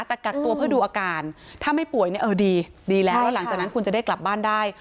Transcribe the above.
แต่กักตัวเพื่อดูอาการถ้าไม่ป่วยเนี่ยเออดีดีแล้วแล้วหลังจากนั้นคุณจะได้กลับบ้านได้